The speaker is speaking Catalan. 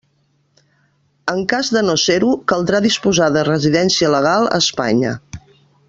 En cas de no ser-ho, caldrà disposar de residència legal a Espanya.